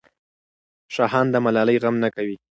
شاهان د ملالۍ غم نه کوي.